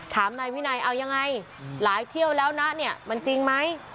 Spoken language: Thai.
นายวินัยเอายังไงหลายเที่ยวแล้วนะเนี่ยมันจริงไหม